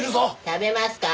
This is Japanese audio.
食べますか？